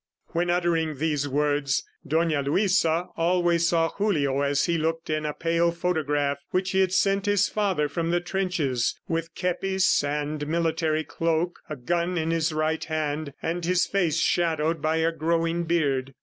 ... When uttering these words, Dona Luisa always saw Julio as he looked in a pale photograph which he had sent his father from the trenches with kepis and military cloak, a gun in his right hand, and his face shadowed by a growing beard.